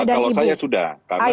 kalau saya sudah